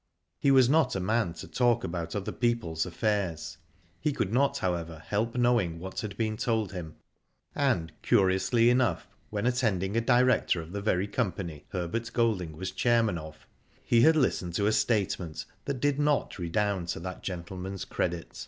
He was not a man to talk about other people's affairs. He could not, however, help knowing what had been told him, and, curiously enough, when attending a director of the very company Herbert Golding was chairman of, he had listened to a statement that did not redound to that gentleman's credit.